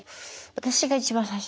私が一番最初。